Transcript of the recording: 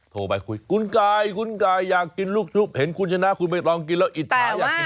โทรไปคุยคุณกายคุณไก่อยากกินลูกชุบเห็นคุณชนะคุณใบตองกินแล้วอิจฉาอยากกิน